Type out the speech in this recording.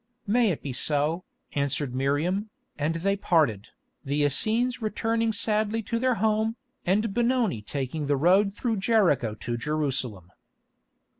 "May it be so," answered Miriam, and they parted, the Essenes returning sadly to their home, and Benoni taking the road through Jericho to Jerusalem.